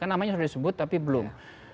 namanya sudah disebut tapi belum